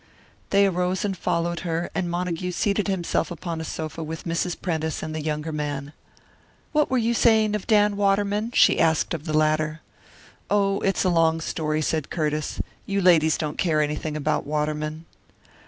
They arose and followed her, and Montague seated himself upon a sofa with Mrs. Prentice and the younger man. "What were you saying of Dan Waterman?" she asked of the latter. "Oh, it's a long story," said Curtiss. "You ladies don't care anything about Waterman."